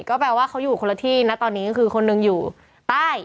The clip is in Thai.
ก็แปลว่าเขาอยู่คนละที่นะตอนนี้คือคนหนึ่งอยู่ใต้